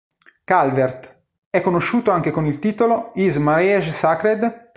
Calvert; è conosciuto anche con il titolo "Is Marriage Sacred?